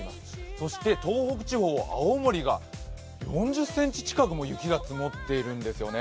そして東北地方、青森が４０ｃｍ近くも雪が積もってるんですよね。